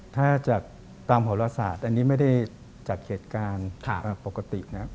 ถ้าจากตามโหลศาสตร์อันนี้ไม่ได้จากเหตุการณ์ปกตินะครับ